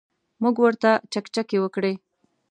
موږ ورته چکچکې وکړې.